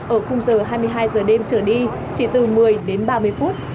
ở khung giờ hai mươi hai giờ đêm trở đi chỉ từ một mươi đến ba mươi phút